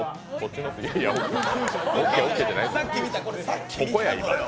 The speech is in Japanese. オッケー、オッケーじゃないのよ。